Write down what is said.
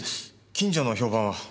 近所の評判は？